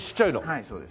はいそうです。